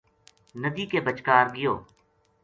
ندی کے بچکار گیو